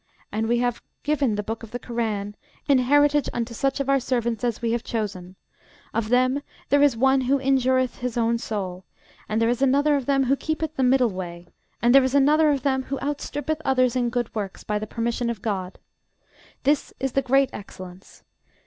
And we have given the book of the Korân in heritage unto such of our servants as we have chosen: of them there is one who injureth his own soul; and there is another of them who keepeth the middle way; and there is another of them who outstrippeth others in good works, by the permission of GOD. This is the great excellence.